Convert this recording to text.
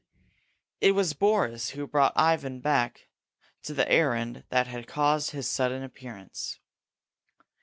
It was Boris who brought Ivan back to the errand that had caused his sudden appearance.